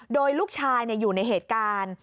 โดยลูกชายอยู่ในเหตุการณ์